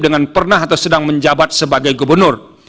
dengan pernah atau sedang menjabat sebagai gubernur